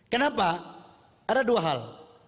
kenapa ada dua hal